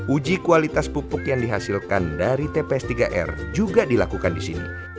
uji kualitas pupuk yang dihasilkan dari tps tiga r juga dilakukan di sini